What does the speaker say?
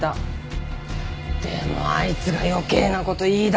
でもあいつが余計な事言いだすから。